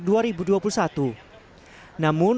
namun untuk dapatkan kemampuan